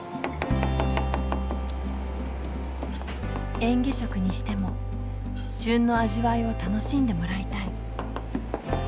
えん下食にしても旬の味わいを楽しんでもらいたい。